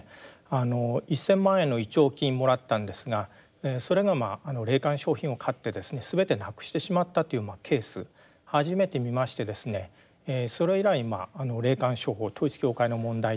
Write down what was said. あの１，０００万円の弔慰金もらったんですがそれが霊感商品を買ってですね全てなくしてしまったというケース初めて見ましてですねそれ以来霊感商法統一教会の問題というのはやっております。